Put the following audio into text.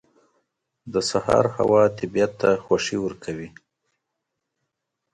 • د سهار هوا طبیعت ته خوښي ورکوي.